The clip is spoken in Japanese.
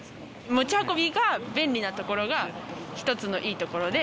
持ち運びが便利なところがいいところで。